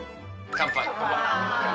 乾杯。